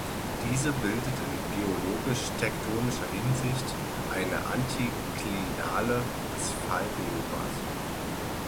Diese bildet in geologisch-tektonischer Hinsicht eine Antiklinale des Faltenjuras.